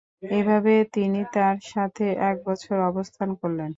এভাবে তিনি তাঁর সাথে এক বছর অবস্থান করলেন।